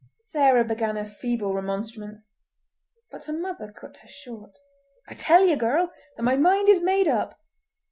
Sarah began a feeble remonstrance, but her mother cut her short. "I tell ye, girl, that my mind is made up!